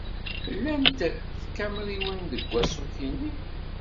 Llant tkamriwin deg waṣuk-nni.